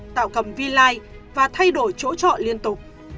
tạo cầm vi lai và thay đổi chỗ trọ liên tục